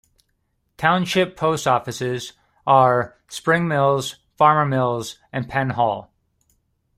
Township post-offices are Spring Mills, Farmers Mills, and Penn Hall.